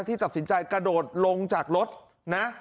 ตัดสินใจกระโดดลงจากรถนะ